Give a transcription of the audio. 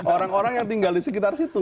orang orang yang tinggal di sekitar situ